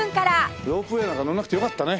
ロープウェーなんか乗んなくてよかったね。